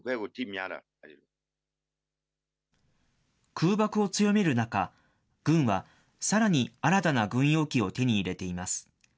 空爆を強める中、軍はさらに新たな軍用機を手に入れています。